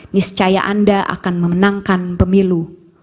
niscaya anda akan memenangkan pemilu